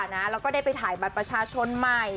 แล้วก็ได้ไปถ่ายบัตรประชาชนใหม่